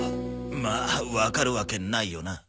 まあわかるわけないよな。